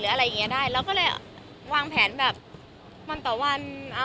หรืออะไรอย่างนี้ได้เราก็เลยวางแผนแบบวันต่อวัน